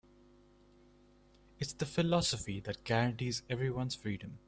It's the philosophy that guarantees everyone's freedom.